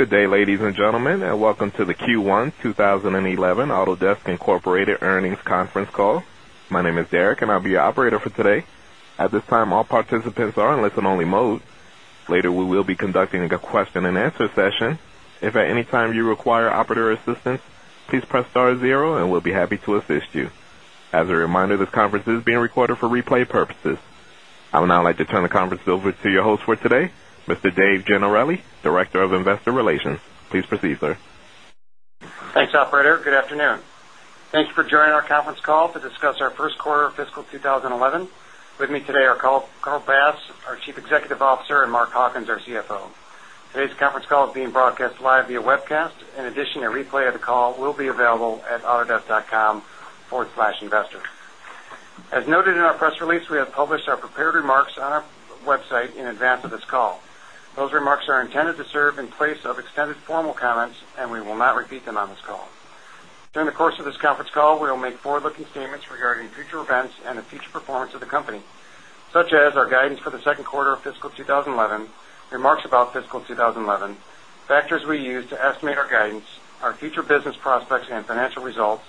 Good day, ladies and gentlemen, and welcome to the Q1 20 11 Autodesk Incorporated Earnings Conference Call. My name is Derek, and I'll be your operator for today. At this time, all participants are in listen only mode. Later, we will be conducting a question and answer session. As a reminder, this conference is being recorded for replay purposes. I would now like to turn the conference over to your host for today, Mr. Dave Giannarelli, Director of Investor Relations. Please proceed, sir. Thanks, operator. Good afternoon. Thanks for joining our conference call to discuss our Q1 fiscal 2011. With me today are Carl Bass, our Chief Executive Officer and Mark Hawkins, our CFO. Today's conference call is being broadcast live via webcast. In addition, a published our prepared remarks on our website in advance of this call. Those remarks are intended to serve in place of extended formal comments and we will not repeat them on this call. During the course of this conference call, we will make forward looking statements regarding future events and the future performance of the company, such as our guidance for the Q2 of fiscal 2011, remarks about fiscal 2011, factors we use to estimate our guidance, our future business prospects and financial results,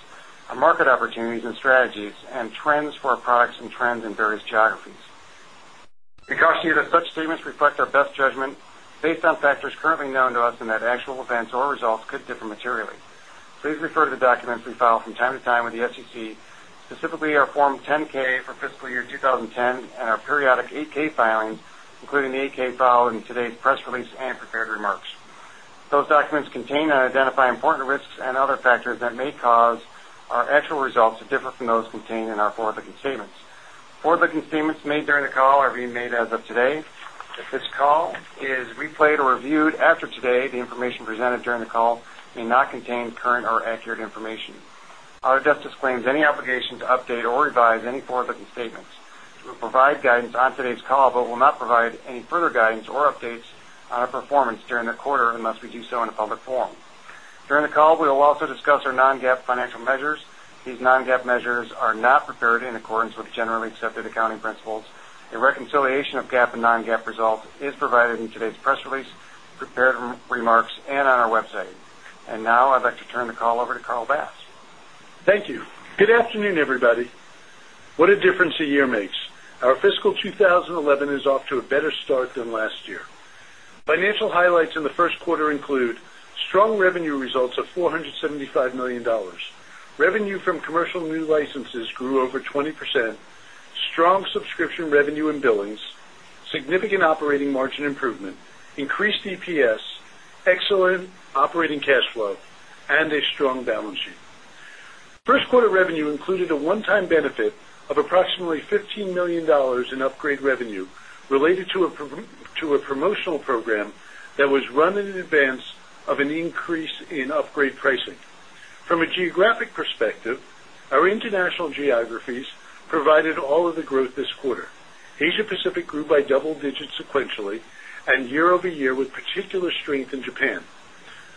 our market opportunities and strategies and trends for our products and trends in various geographies. We caution you that such statements reflect our best judgment based on factors currently known to us and that actual events or results could differ materially. Please refer to the documents we file from time to time with the SEC, specifically our 2010 and our periodic 8 ks filings, including the 8 ks filed in today's press release and prepared remarks. Those documents contain and identify important risks and other factors that may cause our actual results to differ from those contained in our forward looking statements. Forward looking statements made during the call are being made as of today. If this call is replayed or reviewed after today, the information presented during the call may not contain current or accurate information. Autodesk disclaims any obligation to update or revise any forward looking statements. We will provide guidance on today's call, but will not provide any further guidance or updates on our performance during the quarter unless we do so in a public forum. During the call, we will also discuss our non GAAP financial measures. These non GAAP measures are not prepared in accordance with generally accepted accounting principles. A reconciliation of GAAP and non GAAP results is provided in today's press release, prepared remarks and on our website. And now, I'd like to turn the call over to Carl Bass. Thank you. Good afternoon, everybody. What a difference a year makes. Our fiscal strong subscription revenue and billings, significant operating margin improvement, increased EPS, excellent operating cash flow and a strong balance sheet. 1st quarter revenue included a one time benefit of approximately $15,000,000 in upgrade revenue related to a promotional program that was run-in advance of an increase in upgrade pricing. From a geographic perspective, our international geographies provided all of the growth this quarter. Asia Pacific grew by double digit sequentially and year over year with particular strength in Japan.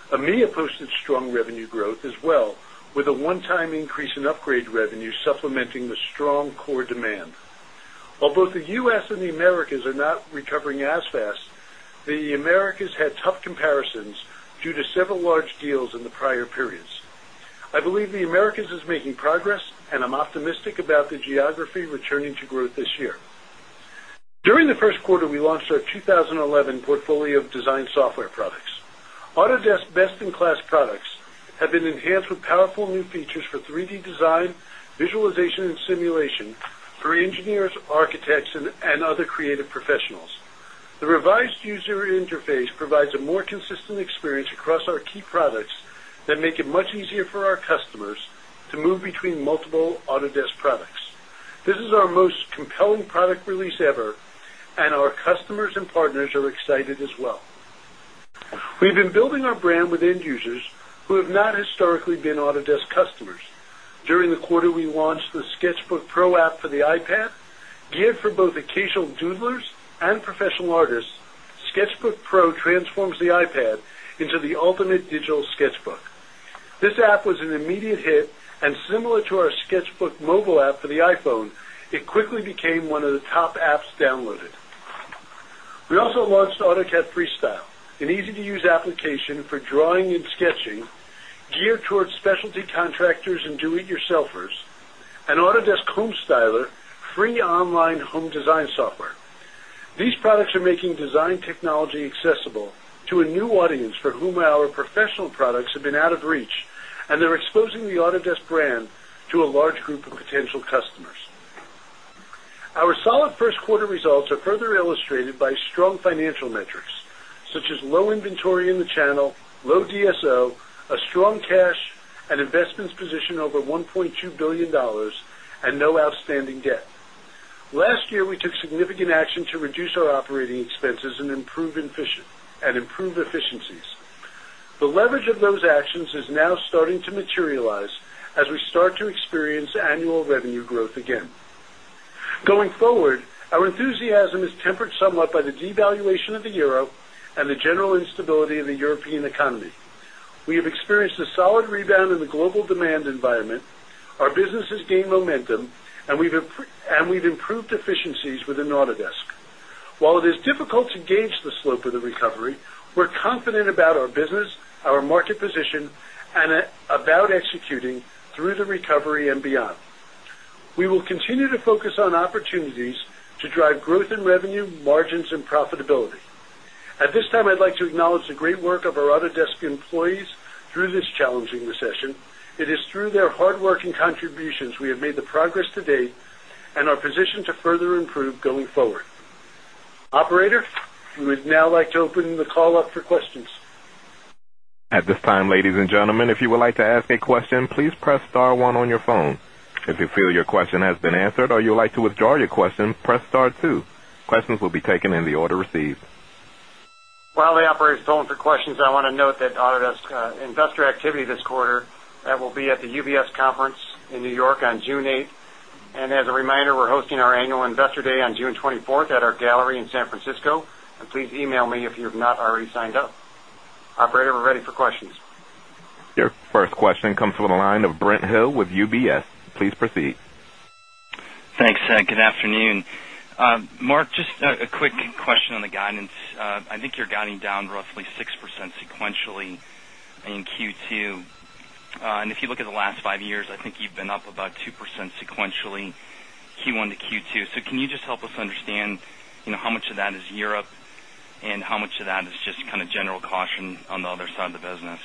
EMEA posted strong revenue growth as well with a While both the U. S. And the Americas are not recovering as fast, the Americas had tough comparisons due to several large deals in the prior periods. I believe the Americas is making progress and I'm optimistic about the geography returning to growth this year. During the Q1, we launched our 2011 portfolio of design software products. Autodesk best in class products have been enhanced with powerful new features for 3 d design, visualization and simulation for engineers, architects and other creative professionals. The revised user interface provides a more consistent experience across our key products that make it much easier for our customers to move between multiple Autodesk products. This is our most compelling product release ever and our customers and partners are excited as well. We've been building our brand with end users who have not historically been Autodesk customers. During the quarter, we launched the Sketchbook Pro app for the iPad geared for both occasional doodlers and professional artists. Sketchbook Pro transforms the iPad into the ultimate digital sketchbook. This app was an immediate hit and similar to our Sketchbook mobile app for the iPhone, it quickly became one of the top apps downloaded. We also launched AutoCAD Freestyle, an easy to use application for drawing and sketching geared towards specialty contractors and do it yourselfers and Autodesk Homestyler free online home design software. These products are making design technology accessible to a new audience for whom our professional products have been out of reach and they're exposing the Autodesk brand to a large group of potential customers. Our solid first quarter results are further illustrated by strong financial $200,000,000 and no outstanding debt. Last year, we took significant action to reduce our operating expenses and improve efficiencies. The leverage of those actions is now starting to materialize as we start to experience annual revenue growth again. Going forward, our enthusiasm is tempered somewhat by the de the devaluation of the euro and the general instability in the European economy. We have experienced a solid rebound in the global the slope of the recovery, we're confident about our business, our market position and about executing through the recovery and beyond. We will continue to focus on opportunities to drive growth in revenue, margins and profitability. At this time, I'd like to acknowledge the great work of our Autodesk employees through this challenging recession. It is through their hard work and contributions we have made the progress to date and are positioned to further improve going forward. Operator, we would now like to open the call up for questions. While the operator is going for questions, I want to note that Autodesk Investor activity this quarter that will be at the UBS Conference in New York on June 8. And as a reminder, we're hosting our annual Investor Day on June 24 at our gallery in San Francisco and please email me if you've not already signed up. Operator, we're ready for questions. Your first question comes from the line of Brent Hill with UBS. Please proceed. Thanks. Good afternoon. Mark, just a quick five years, I think you've been up about 2% sequentially Q1 to Q2. So can you just help us understand how much of that is Europe and how much of that is just general caution on the other side of the business?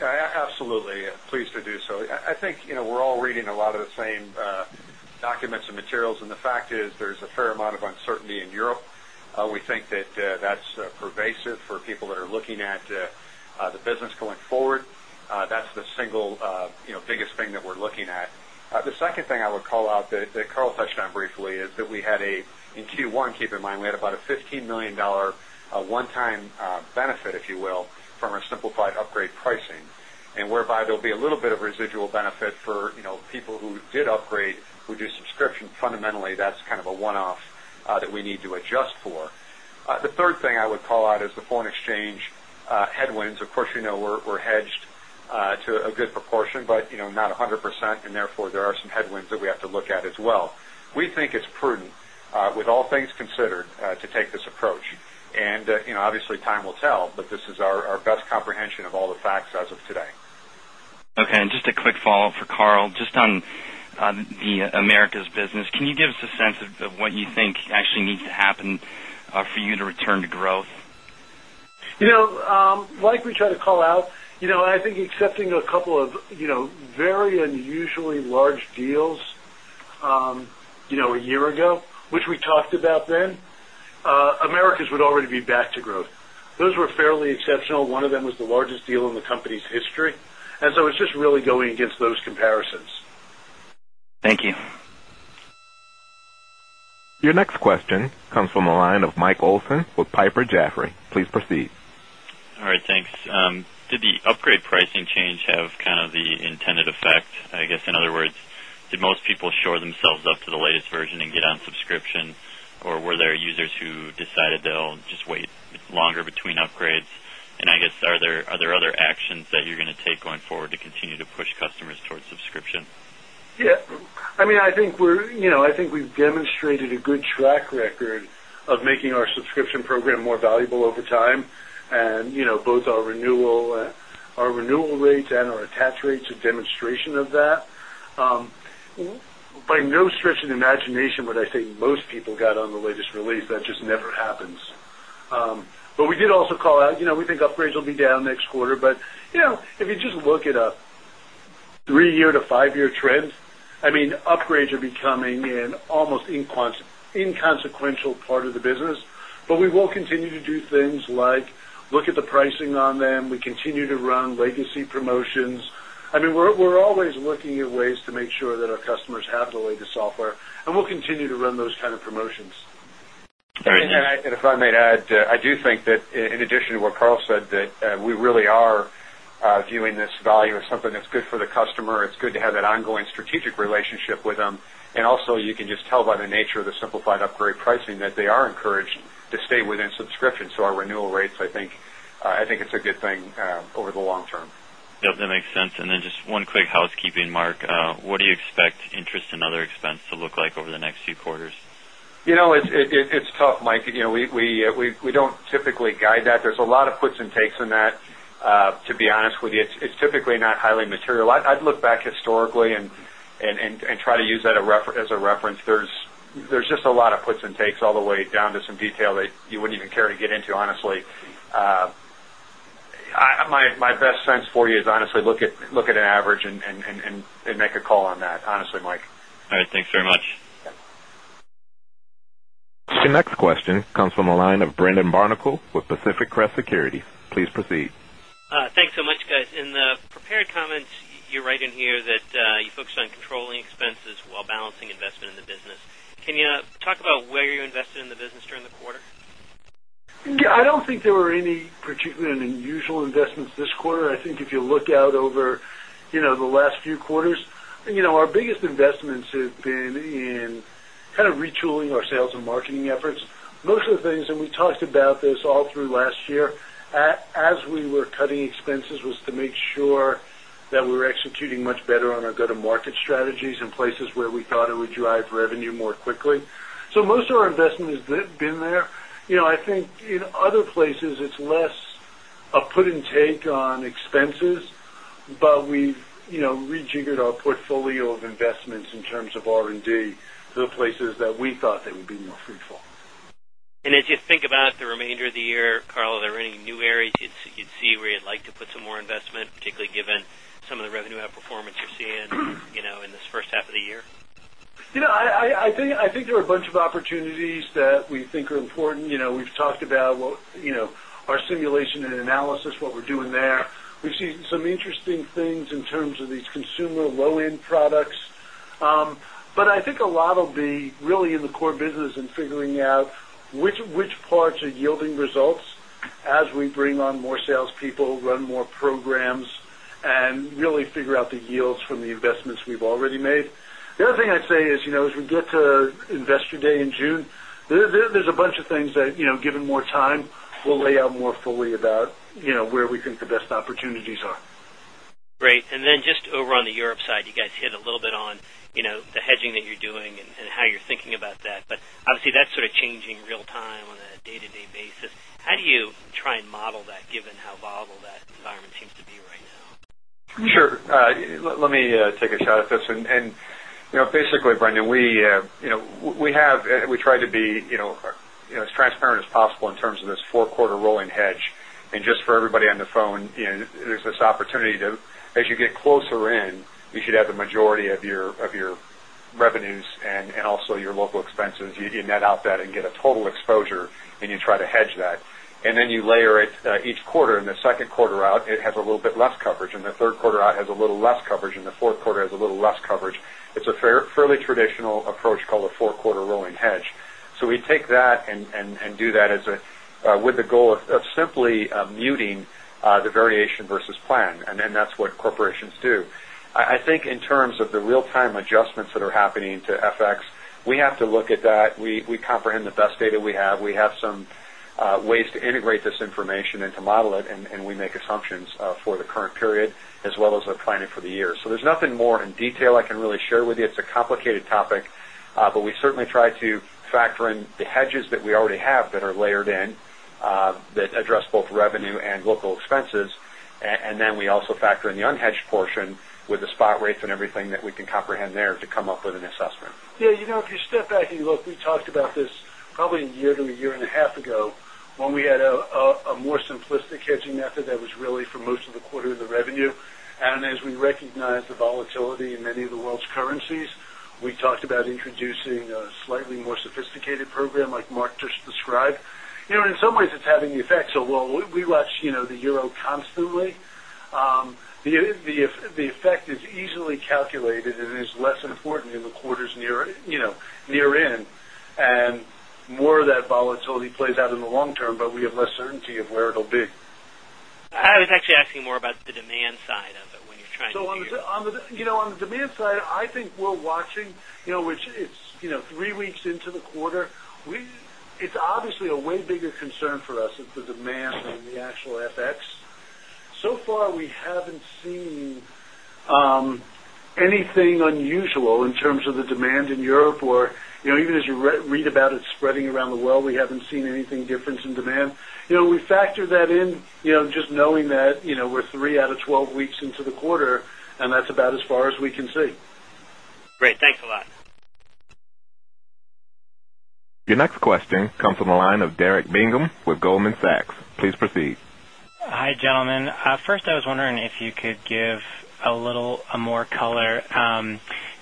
Yes, absolutely. Pleased to do so. I think we're all reading a lot of the same documents and materials and the fact is there's a fair amount of uncertainty in Europe. We think that that's pervasive for people that are looking at the business going forward. The single biggest thing that we're looking at. The second thing I would call out that Carl touched on briefly is that we had a in Q1, keep in mind, we had about a $15,000,000 one time benefit if you will from our simplified upgrade pricing and whereby there'll be a little bit of residual benefit for people who did upgrade, who do subscription fundamentally that's kind of a one off that we need to adjust for. The third thing I would call out is the foreign exchange headwinds. Of course, we're hedged to a good proportion, but not 100% and therefore there are some headwinds that we have to look at as well. We think it's prudent with all things considered to take this approach. And obviously time will tell, but this is our best comprehension of all the facts as of today. Okay. And just a quick follow-up for Carl, just on the Americas business. Can you give us a sense of what you think actually needs to happen for you to return to growth? Like we try to call out, I think accepting a couple of very unusually large deals a year ago, which we talked about then, Americas would already be back to growth. Those were fairly exceptional. One of them was the largest deal in the company's history. And so it's just really going against those comparisons. Thank you. Your next question comes from the line of Mike Olson with Piper Jaffray. Please proceed. All right, thanks. Did the upgrade Did the upgrade pricing change have kind of the intended effect? I guess, in other words, did most people shore themselves up to the latest version and get on subscription? Or were there users who towards subscription? Valuable over time and both our renewal rates and our attach rates are demonstration of that. By no stretch of imagination would I say most people got on the latest release that just never happens. But we did also call out, we think upgrades will be down next quarter. But if you just look it a 3 year to 5 year trends, I mean upgrades are becoming an almost inconsequential part of the business, but we will continue to do things like look at the pricing on them. We continue to run legacy promotions. I mean, we're always looking at ways to make sure that our customers have the latest software and we'll continue to run those kind of promotions. And if I may add, I do think that in addition to what Karl said that we really are viewing this value as something that's good for the customer. It's good to have an ongoing strategic relationship with them. And also you can just tell by the nature of the simplified upgrade pricing that they are encouraged to stay within subscription. So our renewal rates, I think it's a good thing over the long term. Yes, that makes sense. And then just one quick housekeeping, Mark, what do you expect interest and other expense to look like over the next few quarters? It's tough, Mike. We don't typically guide that. There's a lot of puts and takes in that. To be honest with you, it's typically not highly materialized. I'd look back historically and try to use that as a reference. There's just a lot of puts and takes all the way down to some detail that you wouldn't even care to get into honestly. My best sense for you is honestly look at an average and make a call on that honestly, Mike. All right. Thanks very much. The next question comes from the line of Brandon Barnicle with Pacific Crest Securities. Please proceed. Thanks so much guys. In the prepared comments, you're right in here that you focused on controlling expenses while balancing investment in the business. Can you talk about where you invested in the business during the quarter? I don't think there were any particularly unusual investments this quarter. I think if you look out over the last few quarters, our biggest investments have been in kind of retooling our sales and marketing efforts. Most of the things and we talked about this all through last as we were cutting expenses was to make sure that we were executing much better on our go to market strategies in places where we thought it would drive revenue more quickly. So most of our investment has been there. I think in other places, it's less a put and take on expenses, but we've rejiggered our portfolio of investments in terms of R and D to the places that we thought they would be more fruitful. And as you think about the remainder of the year, Karl, are there any new areas you'd see where you'd like to put some more investment, particularly given some of the revenue outperformance you're seeing in this first half of the year? I think there are a bunch of opportunities that we think are important. We've talked about our simulation and analysis, what we're doing there. We've seen some interesting things in terms of these consumer low end products. But I think a lot of the really in the core business and figuring out which parts are yielding results as we bring on more salespeople, run more programs and really figure out the yields from the investments we've already made. The other thing I'd say is, as we get to Investor Day in June, there's a bunch of things that given more time, we'll lay out more fully about where we think the best opportunities are. Great. And then just over on the Europe side, you guys hit a little bit on the hedging that you're doing and how you're thinking about that. But obviously that's sort of changing real time on a day to day basis. How do you try and model that given how volatile that environment seems to be right now? Sure. Let me take a shot at this. And basically, Brendan, we have we tried to be as transparent as possible in terms of this 4 quarter rolling hedge. And just for everybody on the phone, there's this opportunity to as you get closer in, you should have the majority of your revenues and also your local expenses, you net out that and get a total exposure and you try to hedge that. And then you layer it each quarter in the Q2 out, it has a little bit less coverage and the Q3 out has a little less coverage and the Q4 has a little less coverage. It's a fairly traditional approach called a 4 quarter rolling hedge. So we take that and do that with the goal of simply muting the variation versus plan, and that's what corporations do. I think in terms of the real time adjustments that are happening to FX, we have to look at that. We comprehend the best data we have. We have some ways to integrate this information and to model it and we make assumptions for the current period as well as the planning for the year. So there's nothing more in detail I can really share with you. It's a complicated topic, but we certainly try to factor in the hedges that we already have that are layered in that address both revenue and local expenses. And then we also factor in the unhedged portion with the spot rates and everything that we can comprehend there to come up with an assessment. Yes. If you step back and look, we talked about this probably a year to 1.5 years ago when we had a more simplistic hedging method that was really for most of the quarter in the revenue. And as we recognize the volatility in many of the world's currencies, we talked about introducing a slightly more sophisticated program like Mark just described. In some ways, it's having the effects of well, we watch the euro constantly. The effect is easily calculated and it is less important in the quarters near in and more of that volatility plays out in the long term, but we have less certainty of where it will be. I was actually asking more about the demand side of it when So on the demand side, I think we're watching, which is 3 weeks into the quarter. It's obviously a way bigger concern for us is the demand than the actual FX. So far, we haven't seen anything unusual factor that in just knowing that we're 3 out of 12 weeks into the quarter and that's about as far as we can see. Your next question comes from the line of Derek Bingham with Goldman Sachs. Please proceed. Hi, gentlemen. First, I was wondering if you could give a little more color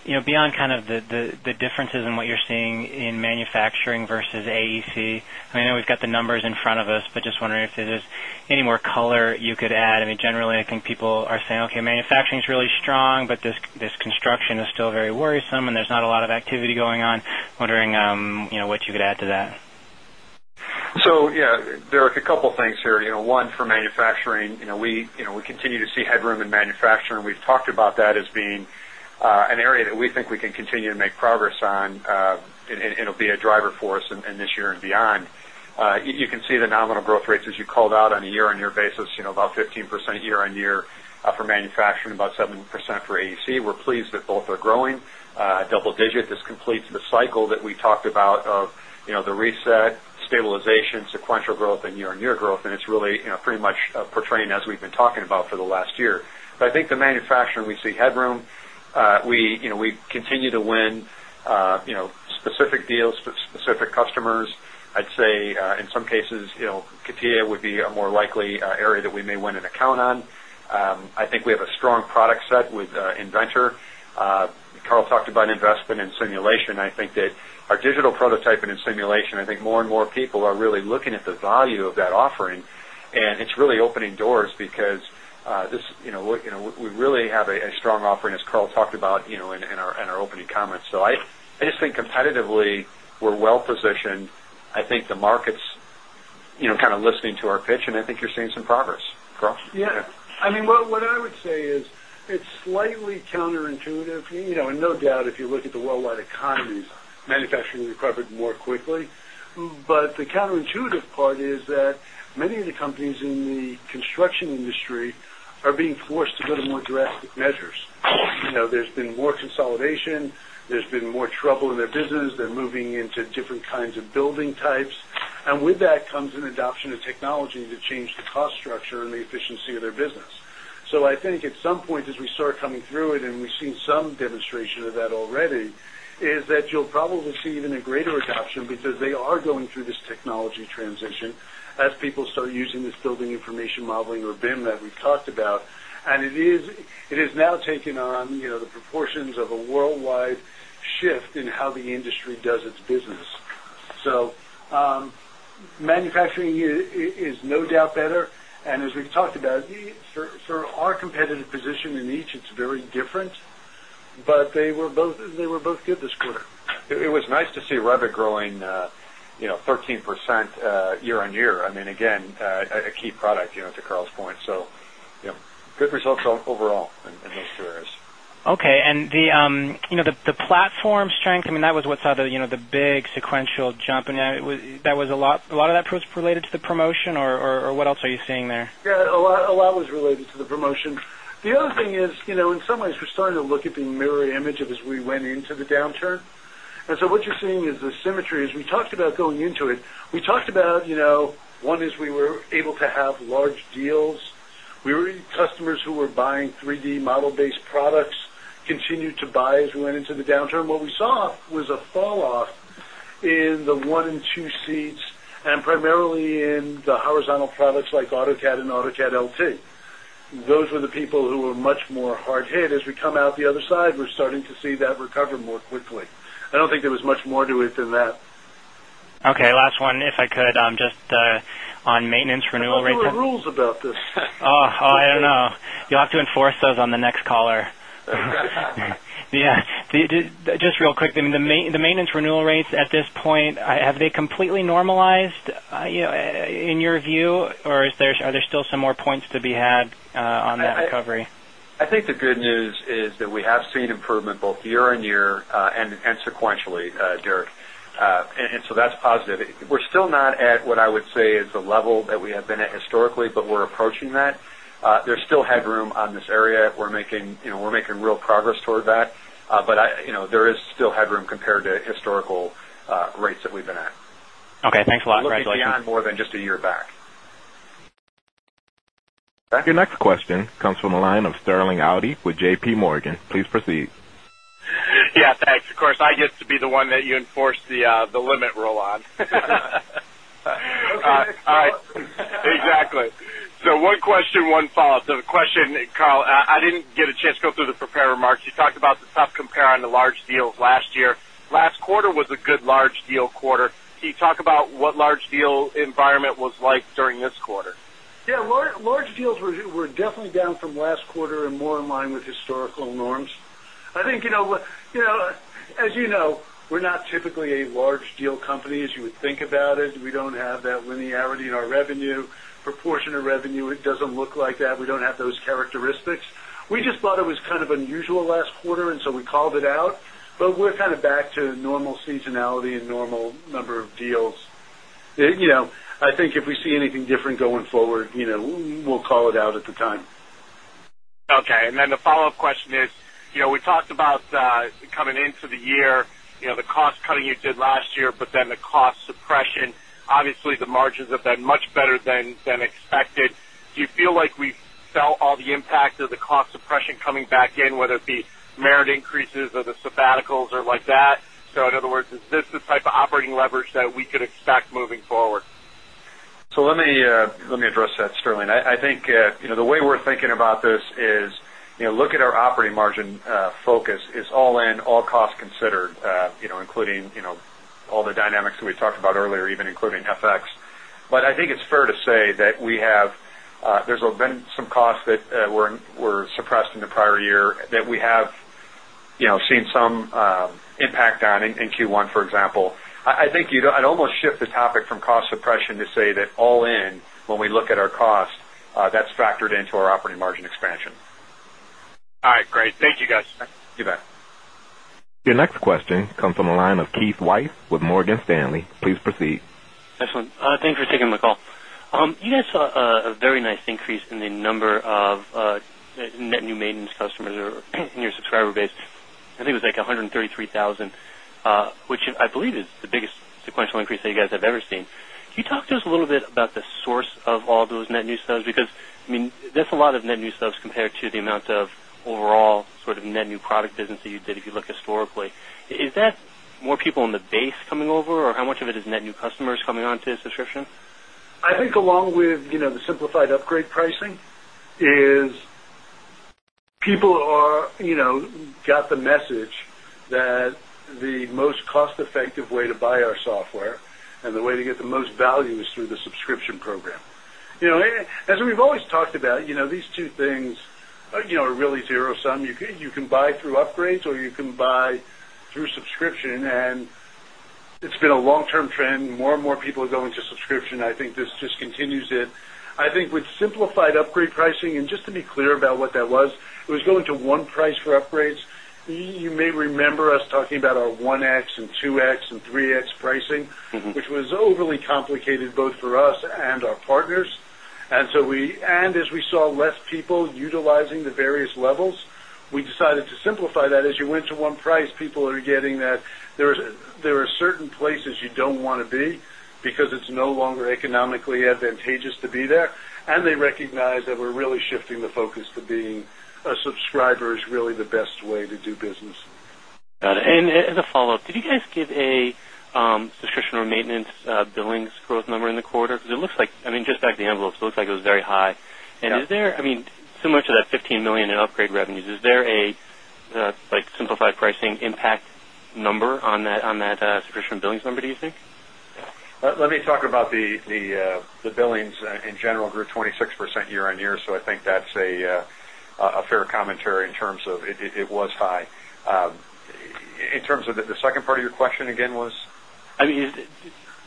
beyond kind of the differences in what you're seeing in manufacturing versus AEC. I know we've got the numbers in front of us, but just wondering if there's any color you could add. I mean, generally, I think people are saying, okay, manufacturing is really strong, but this construction is still very worrisome and there's not a lot of activity going on. Wondering what you could add to that? So, yes, Derek, a couple of things here. One for manufacturing, we continue to see headroom in manufacturing. We've talked about that as being an area that we think we can continue to make progress on and it will be a driver for us in this year and beyond. You can see the nominal growth rates as you called out on a year on year basis, about 15% year on year for manufacturing, about 7% for AEC. We're pleased that both are growing double digit. This completes the cycle that we talked about of the reset, stabilization, sequential growth and year on year growth and it's really pretty much portraying as we've been talking about for the last year. But I think the manufacturing we see headroom, we continue to win specific deals with specific customers. I'd say, in some cases, CATIA would be a more likely area that we may win an account on. I think we have a strong product set with Inventor. Karl talked about an investment in simulation. I think that our digital prototyping and simulation, I think more and more people are really looking at the value of that offering and it's really opening doors because we really have a strong offering as Carl talked about in our opening comments. So I just think competitively, we're well positioned. I think the market's kind of listening to our pitch and I think you're seeing some progress. Yes. I mean, what I would say is, it's slightly counterintuitive. And no doubt, if you look at the worldwide economies, manufacturing recovered more quickly. But the counterintuitive part is that many of the companies in the construction industry are being forced to go to more drastic measures. There's been more consolidation. There's been more trouble in their business. They're moving into different kinds of some demonstration of that already is that you'll probably see even a greater adoption because they are going through this technology transition information modeling or BIM that we talked about. And it is now taking on the proportions of a worldwide shift in how the industry does its business. So manufacturing is no doubt better. And as we've talked about, sort of our competitive position in each, it's very different, but they were both good this quarter. It was nice to see Revit growing 13% year on year. I mean, again, a key product to Carl's point. So good results overall in those two areas. Okay. And the platform strength, I mean, that was what's out of the big sequential jump in there. That was a lot a lot of that was related to the promotion or what else are you seeing there? Yes. A lot was related to the promotion. The other thing is, in some ways, we're starting to look at the mirror image of this, we went into the downturn. And so what you're seeing is the symmetry as we talked about going into it, we talked about, one is we were able to have large deals. We were customers who were buying 3 d model based products continue to buy as we went into the downturn. What we saw was a fall off in the 1 and 2 seats and primarily in the horizontal products like AutoCAD and AutoCAD LT. Those were the people who were much more hard hit. As we come out the other side, we're starting to see that recover more quickly. I don't think there was much more to it than that. Okay. Last one, if I could, just on maintenance renewal There are rules about this. I don't know. You have to enforce those on the next caller. Just real quick, the maintenance renewal rates at this point, have they completely normalized in your view or is there are there still some more points to be had on that recovery? I think the good news that we have seen improvement both year on year and sequentially, Derek. And so that's positive. We're still not at what I would say is the level that we have been at historically, but we're approaching that. There's still headroom on this area. We're making real progress toward that. But there is still headroom compared to historical rates that we've been at. Okay. Thanks a lot, Greg. It looks beyond more than just a year back. Your next question comes from the line of Sterling Auty with JPMorgan. Please proceed. Yes. Thanks. Of course, I get to be the one that you enforced the limit roll on. All right, exactly. So one question, one follow-up. So the question, Karl, I didn't get a chance to go through the prepared remarks. You talked about the tough compare on the large deals last year. Last quarter was a good large deal quarter. Can you talk about what large deal environment was like during this quarter? Yes, large deals were definitely down from last quarter and more in line with that linearity in our revenue, proportion of revenue, it doesn't look like that. We don't have those characteristics. We just thought it was kind of unusual last quarter and so we called it out. But we're kind of back to normal seasonality and normal number of deals. I think if we see anything different going forward, we'll call it out at the time. Okay. And then the follow-up question is, we talked about coming into the year, the cost cutting you did last year, but then the cost suppression. Obviously, the margins have been much better than expected. Do you feel like we felt all the impact of the cost suppression coming back in, whether it be merit increases or the sabbaticals or like that? So in other words, is this the type of leverage that we could expect moving forward? So let me address that, Sterling. I think the way we're thinking about this is, look at our operating margin focus is all in all costs considered, including all the dynamics that we talked about earlier, even including FX. But I think it's fair to say that we have there's been some costs that were suppressed in the prior year that we have seen some impact on in Q1 for example. I think I'd almost shift the topic from cost suppression to say that all in when we look at our cost, that's factored into our operating margin expansion. All right, great. Thank you, guys. You bet. Your next question comes from the line of Keith Weiss with Morgan Stanley. Please proceed. Excellent. Thanks for taking my call. You guys saw a very nice increase in the number of net new maintenance customers in your subscriber base. I think it was like 133,000, which I believe is the biggest sequential increase that you guys have ever seen. Can you talk to us a little bit about the source of all those net new subs because I mean there's a lot of net new subs compared to the amount of overall sort of net new product business that you did if you look historically. Is that more people in the base coming over or how much of it is net new customers coming on to subscription? I think along with the simplified upgrade pricing is people are got the message that the most cost effective way to buy our software and the way to get the most value is through the subscription program. As we've always talked about, these two things are really zero sum. You can buy through upgrades or you can buy through subscription. And it's been a long term more and more people are going to subscription. I think this just continues it. I think with simplified upgrade pricing and just to be clear about what that was, it was going to 1 price for upgrades. You may remember us talking about our 1x and 2x and 3x pricing, which was overly complicated both for us and our partners. And so we and as we saw less people utilizing the various levels, we decided to simplify that as you went to one price, people are getting that there are certain places you don't want to be because it's no longer economically advantageous to be there and they recognize that we're really shifting the focus to being a subscriber is really the best way to do business. Got it. And as a follow-up, did you guys give a subscription or maintenance billings growth number in the quarter? Because it looks like I mean, just back to the envelopes, it looks like it was very high. And is there I mean, similar to that $15,000,000 in upgrade revenues, is there a like simplified pricing impact number on that subscription billings number do you think? Let me talk about the billings in general grew 26% year on year. So I think that's a fair commentary in terms of it was high. In terms of the second part of your question again was? I mean,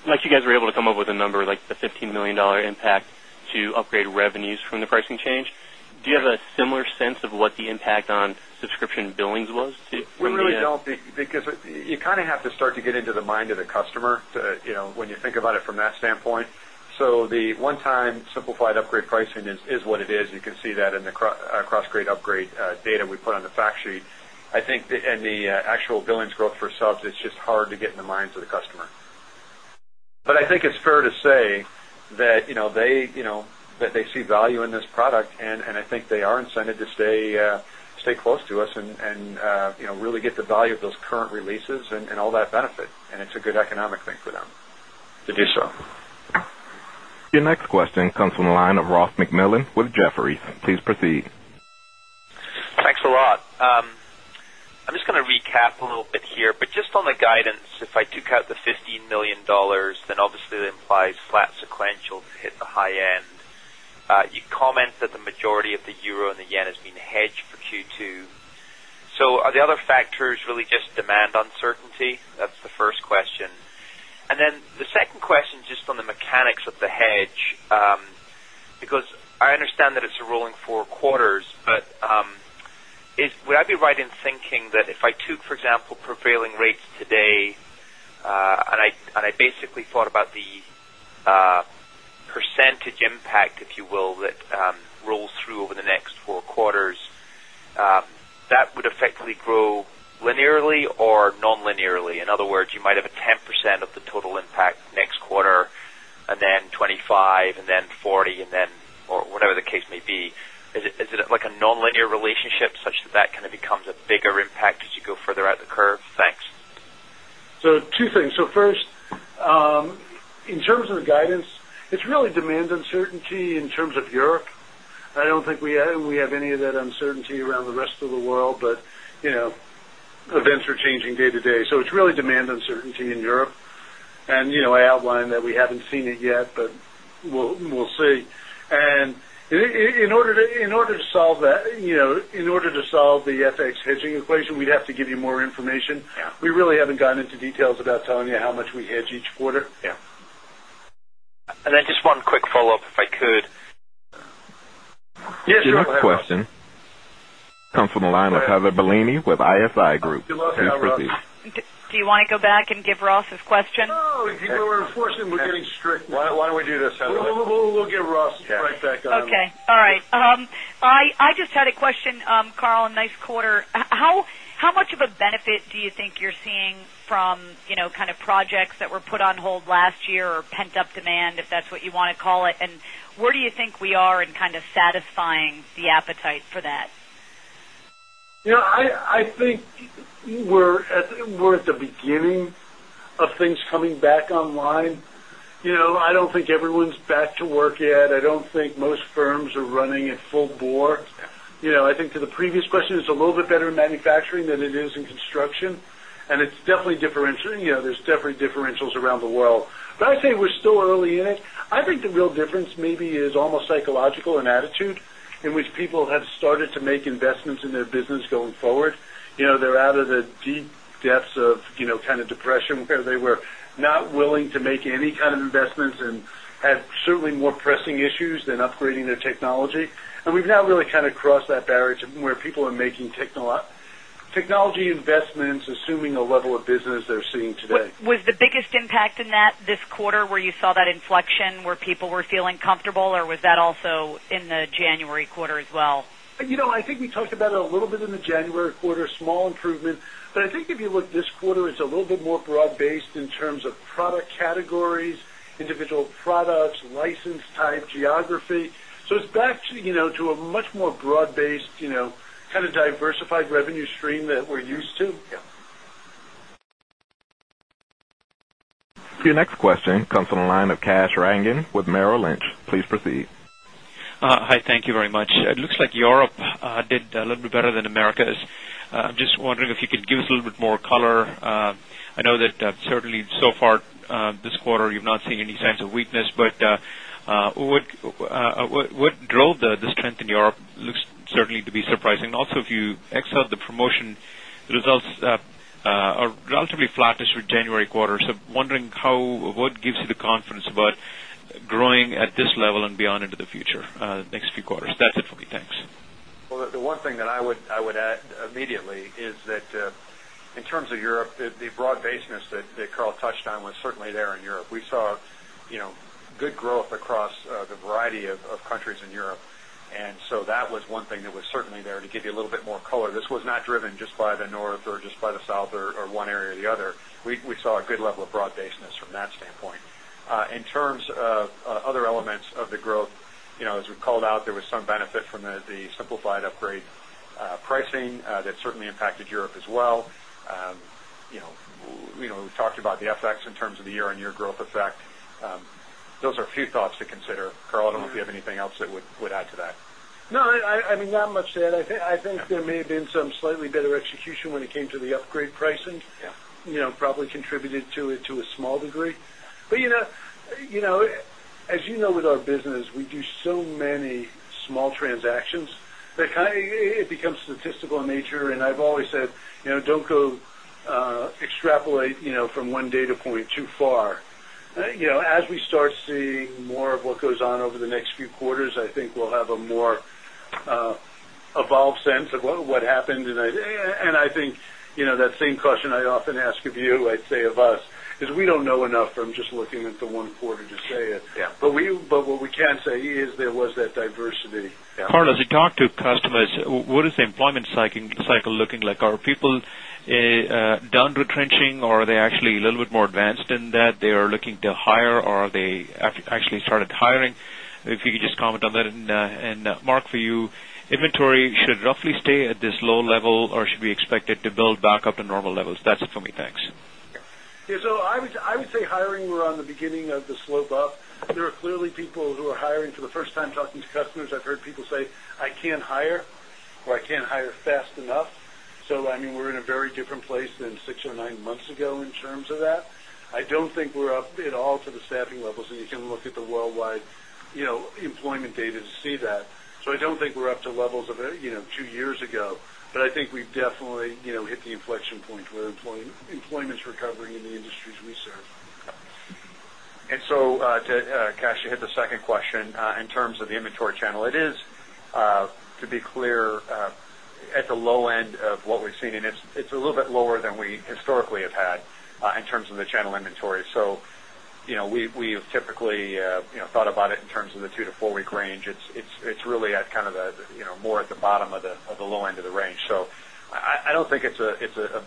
like you guys were able come up with a number like the $15,000,000 impact to upgrade revenues from the pricing change. Do you have a similar sense of what the impact on subscription billings was? We really don't because you kind of have to start to get into the mind of the customer when you think about it from that standpoint. So the one time simplified upgrade pricing is what it is. You can see that in the cross grade upgrade data we put on the fact sheet. I think in the actual billings growth for subs, it's just hard to get in the minds of the customer. But I think it's fair to say that they see value in this product and I think they are incented to stay close to us and really get the value of those current releases and all that benefit. And it's a good economic thing for them to do so. Your next question comes from the line of Ross MacMillan with Jefferies. Please proceed. Thanks a lot. I'm just going to recap a little bit here, but just on the guidance, if I took out the $15,000,000 then obviously it implies flat sequential to hit the high end. You comment that the majority of the euro and the yen has been hedged for Q2. So are the other factors really just demand uncertainty? That's the first question. And then the second would I be right in thinking that if I took, for example, prevailing rates today and I basically thought about the percentage impact, if you will, that rolls through over the next 4 quarters, that would effectively grow linearly or non linearly? In other words, you might have a 10% of the total impact next quarter and then 25 and then 40 and then or whatever the case may be. Is it like a nonlinear relationship such that that kind of becomes a bigger impact as you go further out the curve? Thanks. So, 2 things. So, first, in terms of the guidance, it's really demand uncertainty in terms of Europe. I don't think we have any of that uncertainty around the rest of the world, but events are changing day to day. So it's really demand uncertainty in Europe. And I outlined that we haven't seen it yet, but we'll see. And in order to solve the FX hedging equation, we'd have to give you more information. We really haven't gotten into details about telling you how much we hedge each quarter. Yes. And then just one quick follow-up, if I could. Yes, Sheila. Your next question comes from the line of Heather Bellini with ISI Group. Do you want to go back and give Ross his question? No. Unfortunately, we're getting strict. Why don't we do this Heather? We'll give Ross right back on. Okay. All right. I just had a question, if that's what you want to call it? And where do you think we are in kind of satisfying the appetite for that? I think we're at the beginning of things coming back online. I don't think everyone's back to work yet. I don't think most firms are running at full board. I think to the previous question, it's a little bit better in manufacturing than it is in construction. And it's definitely differentiating. There's definitely differentials around the world. But I'd say we're still early in it. I think the real difference may be is almost psychological and attitude in which people have started to make investments in their business going forward. They're out of the deep depths of kind of depression, because they were not willing to make any kind of investments and had certainly more pressing issues than upgrading their technology. And we've now really kind of crossed that barrier to where people are making technology investments assuming a level of business they're seeing today. Was the biggest impact in that this quarter where you saw that inflection where people were feeling comfortable or was that also in the January quarter as well? I think we talked about it a little bit in the January quarter, small improvement. But I think if you look this quarter, it's a little bit more broad based in terms of product categories, individual products, license type geography. So it's back to a much more broad based kind of diversified revenue stream that used to. Your next question comes from the line of Kash Rangan with Merrill Lynch. Please proceed. Hi, thank you very much. It looks like Europe did a little bit better than Americas. I'm just wondering if you could give us a little bit more color. I know that certainly so far this quarter you've not seen any signs of weakness, but what drove the strength in Europe certainly to be surprising? Also if you excel the promotion, the results are relatively flattish with January quarter. So wondering what gives you the confidence about growing at this level and beyond into the future next few quarters? That's it for me. Thanks. Well, the one thing that I would add immediately is that in terms of Europe, the broad baseness that Carl touched on was certainly there in Europe. We saw good growth across the variety of countries in Europe. And so that was one thing that was certainly there to give you a little bit more color. This was not driven just by the North or just by the South or one area or the other. We saw a good level of broad baseness from that standpoint. In terms of other elements of the growth, as we called out there was some benefit from the simplified upgrade pricing that certainly impacted Europe as well. We've talked about the FX in terms of the year on year growth effect. Those are few thoughts to consider. Carl, I don't know if have anything else that would add to that. No, I mean not much to add. I think there may have been some slightly better execution when it came to the upgrade pricing, probably contributed to it to a small degree. But as you know with our business, we do so many small transactions that kind of it becomes statistical in nature and I've always said, don't go extrapolate from one data point too far. As we start seeing more of what goes on over the next few quarters, I think we'll have a more evolved sense of what happened tonight. And I think that same question I often ask of you, I'd say of us is we don't know enough from just looking at the one quarter to say it. But what we can say is there was that diversity. Karl, as you talk to customers, what is the employment cycle looking like? Are people done retrenching or are they actually a little bit more advanced in that they are looking to hire or are they actually started hiring. If you could just comment on that and Mark for you, inventory should roughly stay at this low level or should we expect it to build back up to normal levels? That's it for me. Thanks. Yes. So, I would say hiring we're on the beginning of the slope up. There are clearly people who are hiring for the first time talking to customers. I've heard people say, I can't hire or I can't hire fast enough. So I mean, we're in a very different place than 6 or 9 months ago in terms of that. I don't think we're up at all to the staffing levels and you can look at the worldwide employment data to see that. So I don't think we're up to levels of 2 years ago, but I think we've definitely hit the inflection point where employment is recovering in the industries we serve. And so, Kash, to hit the second question, in terms of the inventory channel, it is to be clear at the low end of what we've seen and it's a little bit lower than we historically have had in terms of the channel inventory. So we've typically thought about it in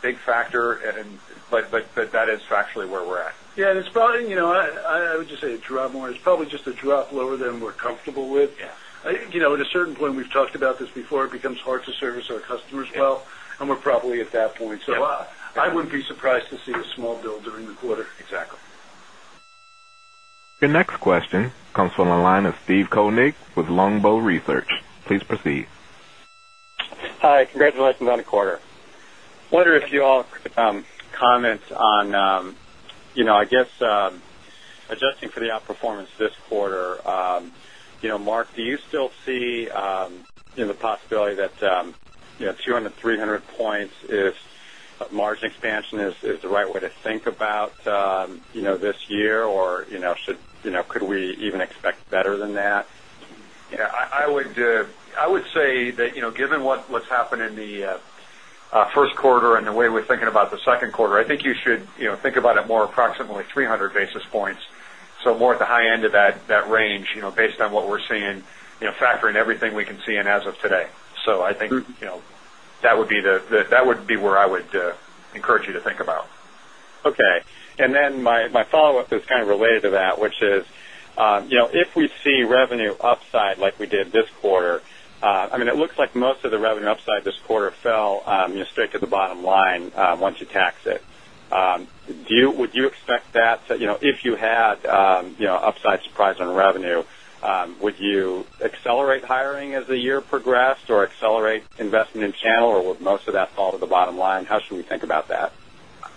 big factor and but that is factually where we're at. Yes. And it's probably I would just say a drop more. It's probably just a drop lower than we're comfortable with. At a certain point, we've talked about this before, it becomes hard to service our customers well and we're probably at that point. So I wouldn't be surprised to see a small build during the quarter. Exactly. Your next question comes from the line of Steve Koenig with Longbow Research. Please proceed. Hi, congratulations on the quarter. I wonder if you all could comment on, I guess, adjusting for the outperformance this quarter, Mark, do you still see the possibility that 200 to 300 points if margin expansion is the right way to think about this year or should could we even expect better than that? I would say that given what's happened in the Q1 and the way we're thinking about the Q2, I think you should think about it more approximately 300 basis points. So more at the high end of that range based on what we're seeing, factoring everything we can see in as of today. So I think that would be where I would encourage you to think about. Okay. And then my follow-up is kind of related to that, which is, if we see revenue upside like we did this quarter, I mean, it looks like most of the revenue upside this quarter fell straight to the bottom line once you tax it. Do you would you expect that if you had upside surprise on revenue, would you accelerate hiring as the year progressed or accelerate investment in channel or would most of that fall to the bottom line? How should we think about that?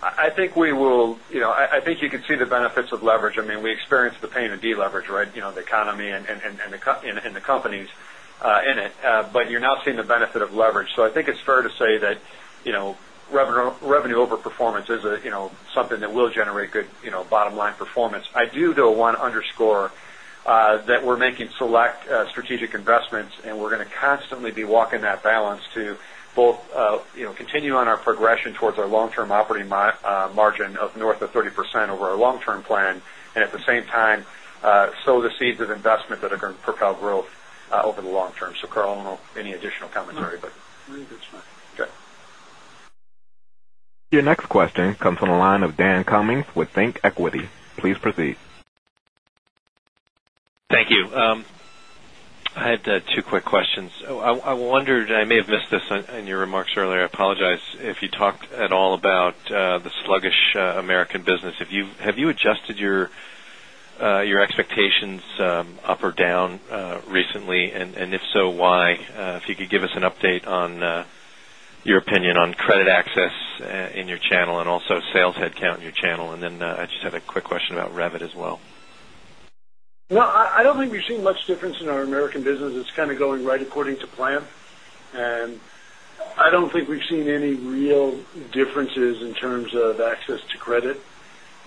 I think we will I think you can see the benefits of leverage. I mean, we experienced the pain of deleverage, right, the economy and the companies in it, but you're now seeing the benefit of leverage. So I think it's fair to say that revenue over performance is something that will generate good bottom line performance. I do though want to underscore that we're making select strategic investments and we're going to constantly be walking that balance to both continue on our progression towards our long term operating margin of north of 30% over our long term plan and at the same time, sow the seeds of investment that are going to propel growth over the long term. So, Karl, I don't know any additional commentary, but Your next question wondered, I may have missed this in your remarks earlier. I apologize if you talked at all about the sluggish American business. Have you adjusted your expectations up or down recently? And if so, why? If you could give us an update on your opinion on credit access in your channel and also sales headcount in your channel? And then I just had a quick question about Revit as well. No, I don't think we've seen difference in our American business. It's kind of going right according to plan. And I don't think we've seen any real differences in terms of access to credit.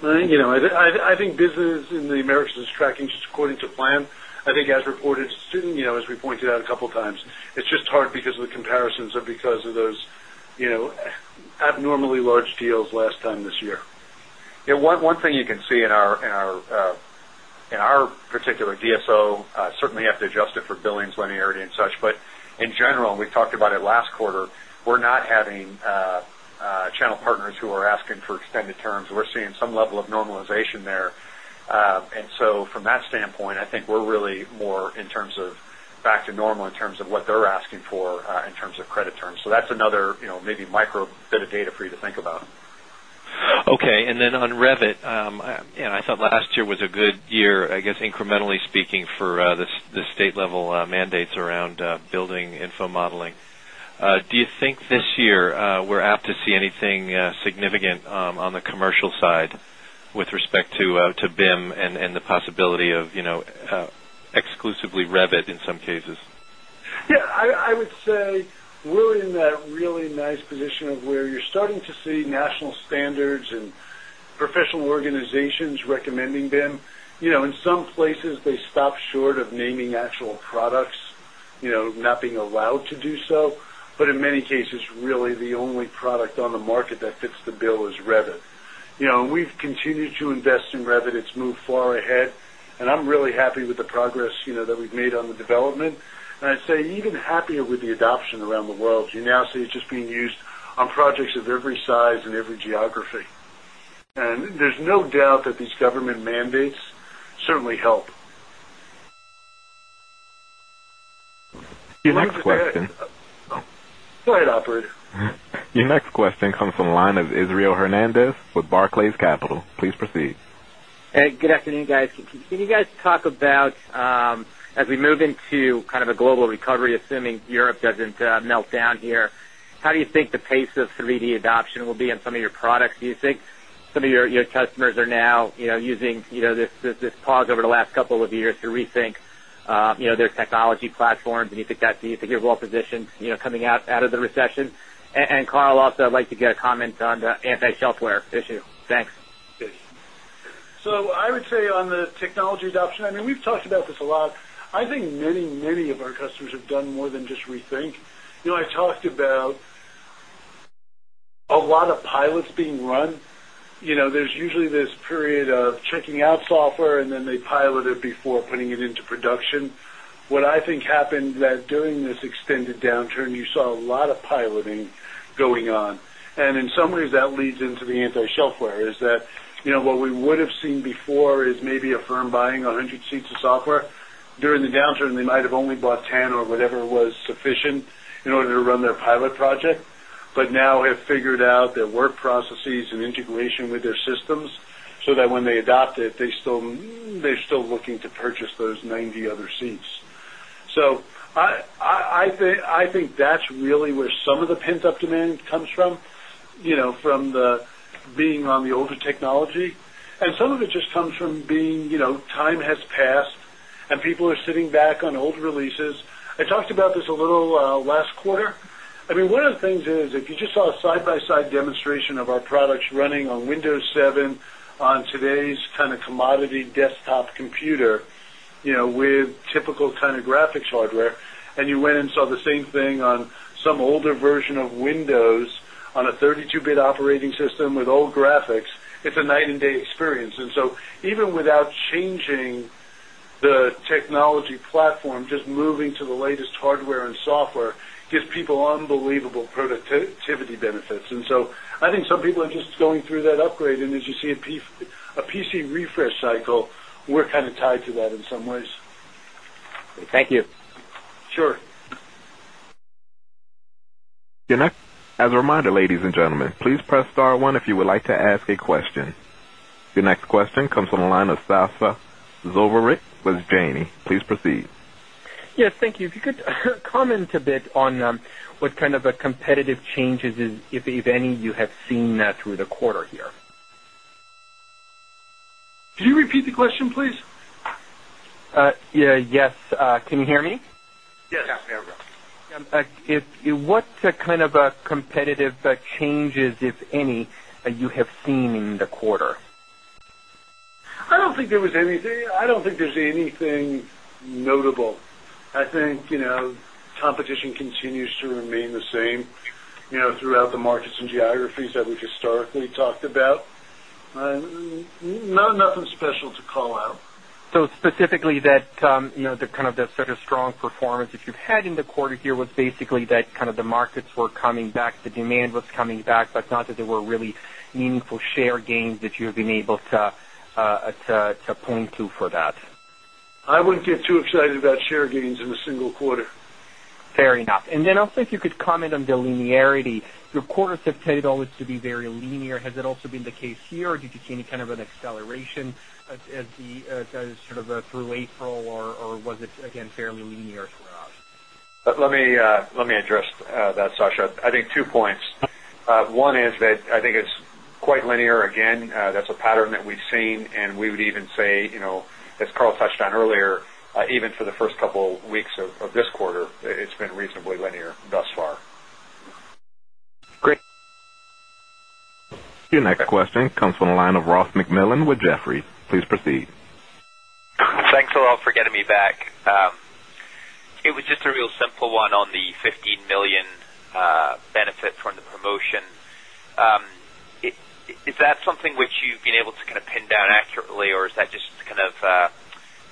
I think business in the Americas is tracking just according to plan. I think as reported, as we pointed out a couple of times, it's just hard because of the comparisons or because of those abnormally large deals last time this year. One thing you can see in our particular DSO certainly have to adjust it for billings linearity and such. But in general, we talked about it last quarter, we're not having channel partners who are asking for extended terms. We're seeing some level of normalization there. And so from that standpoint, I think we're really more in terms of back to normal in terms of what they're asking for in terms of credit terms. So that's another maybe micro bit of data for you to think about. Okay. And then on Revit, I thought last year was a good year, I guess, incrementally speaking for the state level mandates around building info modeling. Do you think this year we're apt to see anything significant on the commercial side with in that really nice position of where you're starting to see national standards and professional organizations recommending them. In some places, they stop short of naming actual products, not being allowed to do so. But in many cases, really the only product on the market that fits the bill is Revit. We've continued to invest in Revit. It's moved far ahead. And I'm really happy with the progress that we've made on the development. And I'd say even happier with the adoption around the world. You now see it just being used on projects of every size and every geography. And there's no doubt that these government mandates certainly help. Your next question comes from the line of Israel Hernandez with Barclays Capital. Please proceed. Good afternoon, guys. Can you guys talk about as we move into kind of global recovery assuming Europe doesn't melt down here, how do you think the pace of 3 d adoption will be in some of your products? Do you think some of your customers are now using this pause over the last couple of years to rethink their technology platforms? And think you're well positioned coming out of the recession? And Carl also I'd like to get a comment on the anti shelfware issue. Thanks. So I would say on the technology adoption, I mean, we've talked about this a lot. I think many, many of our customers have done more than just rethink. I talked about a lot of pilots being run. There's usually this period of checking out software and then they pilot it before putting it into production. What I think happened that during this extended downturn, you saw a lot of piloting going on. And in some ways that leads into the anti shelfware is that what we would have seen before is maybe a firm buying 100 seats of software. During the downturn, they might have only bought 10 or whatever was sufficient in order to run their pilot project, but now have figured out their work processes and integration with their systems, so that when they adopt it, they're still looking to purchase those 90 other seats. So I think that's really where some of the releases. I talked about this a little and people are sitting back on old releases. I talked about this a little last quarter. I mean, one of the things is, if you just saw a side by side demonstration of our products running on Windows 7 on today's kind of commodity desktop computer with typical graphics hardware and you went and saw the same thing on some older version of Windows on a 32 bit operating system with old graphics, it's a night and day experience. And so even without changing the technology platform, just moving to the latest hardware and software gives people unbelievable productivity benefits. And so, I think some people are just going through that upgrade and as you see a PC refresh cycle, we're kind of tied to that in some ways. Okay. Your next question comes from the line of Sasha Zevorick with Janney. Please proceed. Yes, thank you. If you could comment a bit on what kind of a competitive changes, if any, you have seen through the quarter here? Could you repeat the question, please? Yes. Can you hear me? Yes. What kind of competitive changes, if any, you have seen in the quarter? I don't think there was anything I don't think there's anything notable. I think competition continues to remain the same throughout the markets and geographies that we've historically talked about. Nothing special to call out. So specifically that kind of the such a strong performance that you've had in the quarter here was basically that kind of the markets were coming back, the demand was coming but not that there were really meaningful share gains that you have been able to point to for that? I wouldn't get too excited about share gains in a single quarter. Fair enough. And then also if you could comment on the linearity. Quarters have tended always to be very linear. Has it also been the case here? Or did you see any kind of an acceleration as the sort of through April or was it again fairly linear throughout? Let me address that, Sascha. I think two points. One is that I think it's quite linear again. That's a pattern that we've seen and we would even say as Carl touched on earlier, even for the 1st couple of weeks of this quarter, it's been reasonably linear thus far. Great. Your next question comes from the line of Ross with Jefferies. Please proceed. Thanks a lot for getting me back. It was just a real simple one on the €15,000,000 benefit from the promotion. Is that something which you've been able to kind of pin down accurately? Or is that just kind of a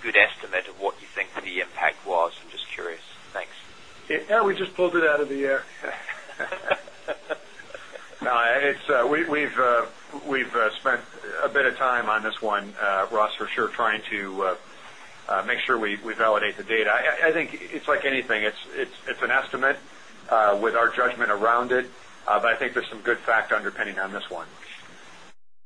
good estimate of what you think the impact was? I'm just curious. Thanks. Yes, we just pulled it out of the year. No, it's we've spent a bit of time on this one, Ross, for sure trying to make sure we validate the data. I think it's like anything, it's an estimate with our judgment around it, but I think there's some good fact underpinning on this one.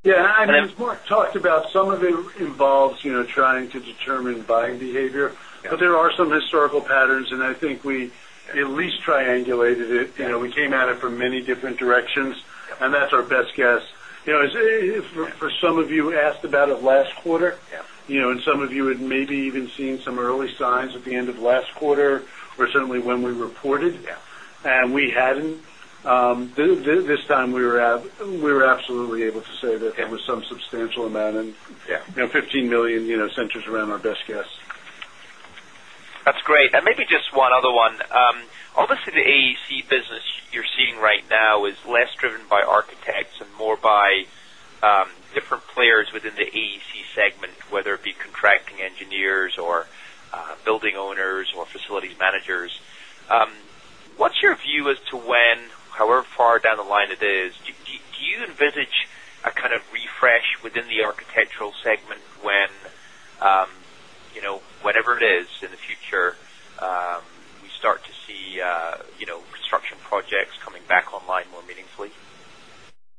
Yes. I mean, as Mark talked about, some of it involves trying to determine buying behavior, but there are some historical patterns and I think we at least triangulated it. We came at it from many different directions and that's our best guess. For some of you asked about it last quarter and some of you had maybe even seen some early signs at the end of last quarter or certainly when we reported and we hadn't. This time we were absolutely able to say that there was some substantial amount and $15,000,000 centers around our best guess. That's great. And maybe just one other one. Obviously, the AEC business you're seeing right now is less driven by architects and more by different players within the AEC segment, whether it be contracting engineers or building owners or facilities online more meaningfully?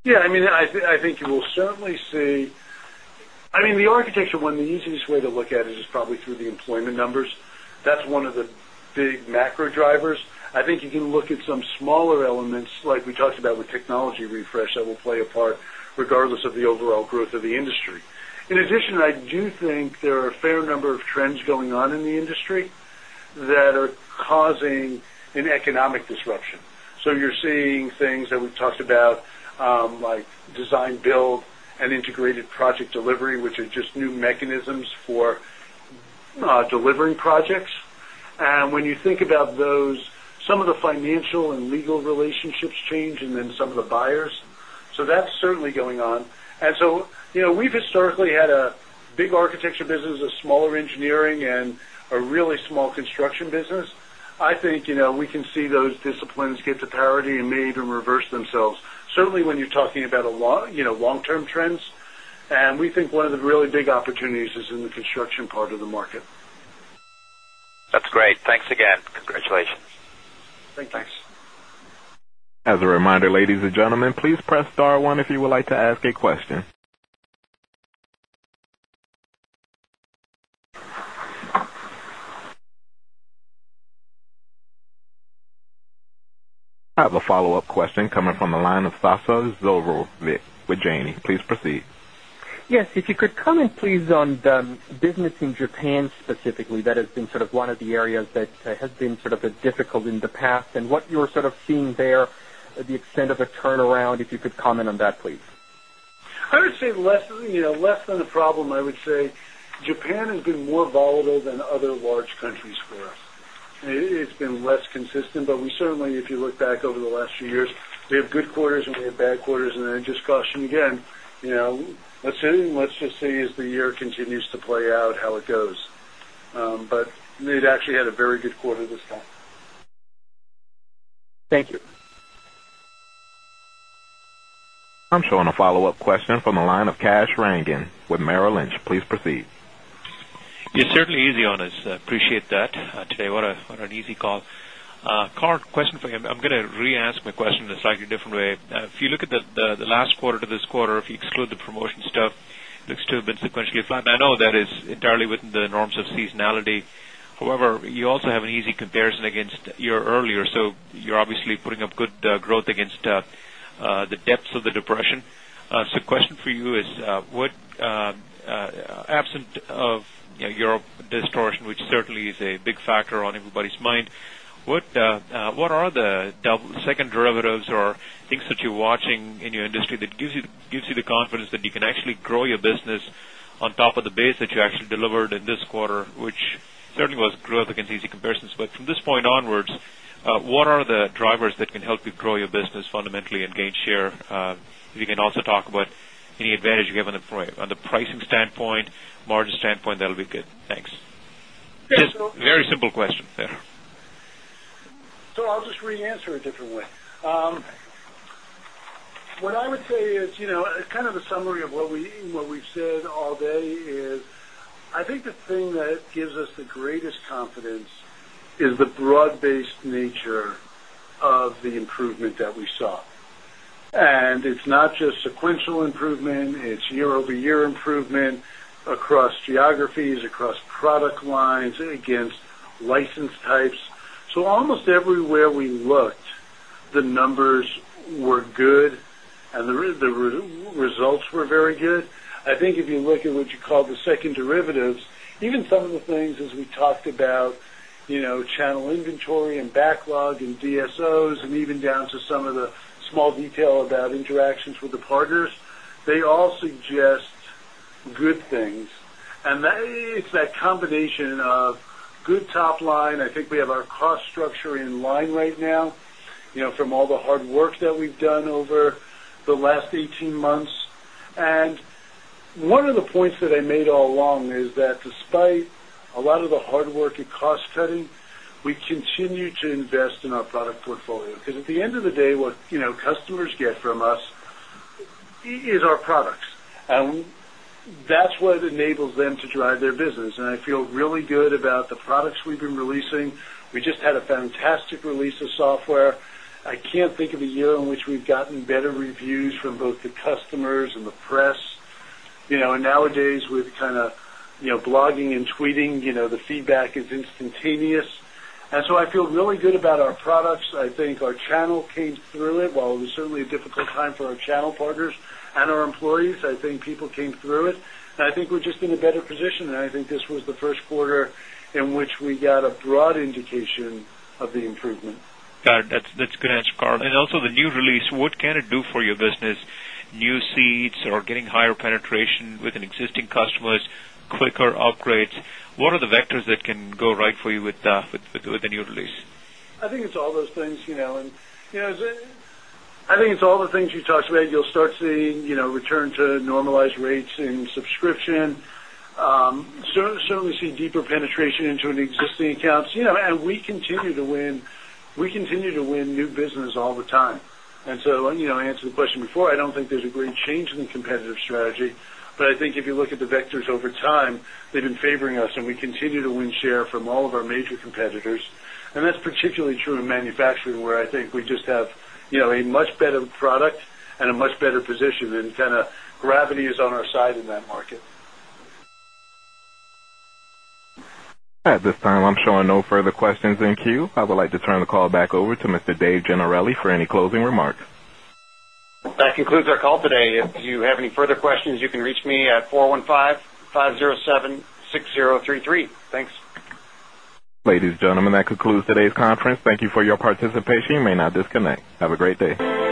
Yes. I mean, I think you will certainly see I mean, the architecture one, the easiest way to look at it is probably through the employment numbers. That's one of the big macro drivers. I think you can look at some smaller elements like we talked about with technology refresh that will play a part regardless of the overall growth of the industry. In addition, I do think there are a fair number of trends going on in the industry integrated project delivery, which are just new mechanisms for delivering projects. And when you think about those, some of the financial and legal relationships change and then some of the buyers. So that's certainly going on. And so we've historically had a big architecture business, a smaller engineering and a really small construction business. I think we can see those disciplines get to parity and may even reverse themselves. Certainly, when you're talking about a long term trends and we think one of the really big opportunities is in the construction part of the market. That's great. Thanks again. Congratulations. Thanks. A follow-up question coming from the line of Sasol Zorro with Janney. Please proceed. Yes. If you could comment please on the business in Japan specifically that has been sort of one of the areas that has been sort of difficult in the past and what you're sort of seeing there, the extent of a turnaround, if you could comment on that please? I would say less than the problem, I would say. Japan has been more volatile than other large countries for us. It's been less consistent, but we certainly, if you look back over the last few years, we have good quarters and we have bad quarters and then just caution again, let's just see as the year continues to play out how it goes. But we've actually had a very good quarter this time. Thank you. I'm showing a follow-up question from the line of Kash Rangan with Merrill Lynch. Please proceed. Yes, certainly easy on us. I appreciate that today. What an easy call. Carl, question for you. I'm going to re ask my question in a slightly different way. If you look at the last quarter to this quarter, if you exclude the promotion stuff, it looks to have been sequentially flat. I know that is entirely within the norms of seasonality. However, you also have an easy comparison against your earlier. So you're obviously putting up good growth against the depths of the depression. So question for you is, what absent of your distortion, which certainly is a big factor on everybody's mind, what are the second derivatives or things that you're watching in your industry that gives you the confidence that you can actually grow your business on top of the base that you actually delivered in this quarter, which certainly was growth against easy comparisons. But from this point onwards, what are the drivers that can help you your business fundamentally and gain share? If you can also talk about any advantage you have on the pricing standpoint, margin standpoint that will be good? Thanks. Very simple question there. So I'll just re answer it differently. What I would say is kind of a summary of what we've said all day is, I think the thing that gives us the greatest lines and against license types. So almost everywhere we looked, the numbers were good and the results were very good. I think if you look at what you call the second derivatives, even some of the things as we talked about channel inventory and backlog and DSOs and even down to some of the small detail about interactions with the partners, they all suggest good things. And that is that combination of good top line. I think we have our cost structure in line right now from all the hard work that we've done over the last 18 months. And one of the points that I made all along is that despite a lot of the hard work and cost cutting, we continue to invest in our product portfolio because at the end of the day what customers get from us is our products. And that's what enables them to drive their business. And I feel really good about the products we've been releasing. We just had a fantastic release of software. I can't think of a year in which we've gotten better reviews from both the customers and the press. And nowadays, with kind of blogging and tweeting, the feedback is instantaneous. And so I feel really good about our products. I think our channel came through it. While it was certainly a difficult time for our channel partners and our employees, I think people came through it. And I think we're just in a better position. And I think this was the Q1 in which we got a broad indication of the improvement. Got it. That's good answer, Karl. And also the new release, what can it do for your business, new seats or getting higher penetration with an existing customers, quicker upgrades, what are the vectors that can go right for you with the new release? I think it's all those things Allen. I think it's all the things you about, you'll start seeing return to normalized rates in subscription, certainly see deeper penetration into an existing accounts and we continue to win new business all the time. And so, I answered the question before, I don't think there's a great change in the competitive strategy. But I think if you look at the vectors over time, they've been favoring us and we continue to win share from all of our major competitors. And that's particularly true in manufacturing where I think we just have a much better product and a much better position than kind of gravity is on our side in that market. At this time, I'm showing no further questions in queue. I would like to turn the call back over to Mr. Dave Gennarelli for any closing remarks. That concludes our call today. If you have any further questions, you can reach me at 4 155076033. Thanks. Ladies and gentlemen, that concludes today's conference. Thank you for your participation. You may now disconnect. Have a great day.